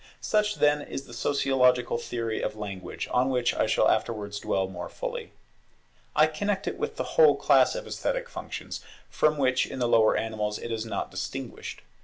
Such, then, is the sociological theory of Language, on which I shall afterwards dwell more fully. I connect it with the whole class of esthetic functions, from which in the lower animals it is not distinguished.